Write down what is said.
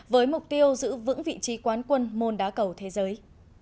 với mục tiêu giữ vững vị trí quán quân môn đá cầu thế giới